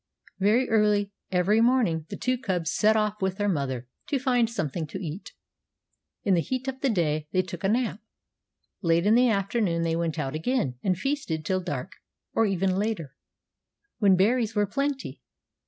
Very early every morning the two cubs set off with their mother to find something to eat. In the heat of the day they took a nap. Late in the afternoon they went out again and feasted till dark, or even later, when berries were plenty.